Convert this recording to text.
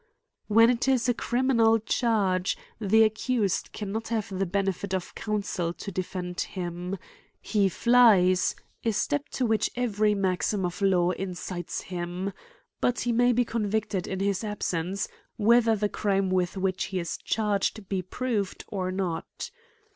When it is a criminal charge the accused can» not have the benefit of counsel to defend him ; he flies— a step to which every maxim of law incites him — But, he may be convicted in his absence, whether the crime with which he is charged be proved or not.